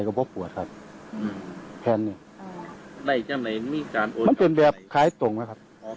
มันก็จะและนี้ไล่ได้เขาไหมครับ